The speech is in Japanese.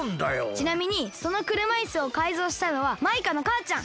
ちなみにそのくるまいすをかいぞうしたのはマイカのかあちゃん。